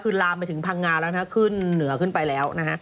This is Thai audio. คือลามละถึงภังงานละนะเป็นเหนือขึ้นไปแล้ว